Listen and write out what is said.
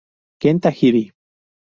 Ken Tajiri